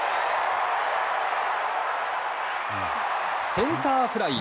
センターフライ。